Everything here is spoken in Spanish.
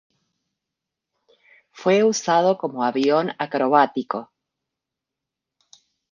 Fue usado como avión acrobático.